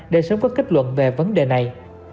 để sớm có kết luận về vấn đề này